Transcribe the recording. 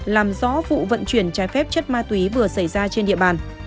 làm rõ vụ vận chuyển trái phép chất ma túy vừa xảy ra trên địa bàn